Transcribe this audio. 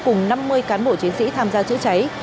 cùng năm mươi cán bộ chiến sĩ tham gia chữa cháy